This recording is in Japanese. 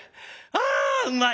あうまい！」。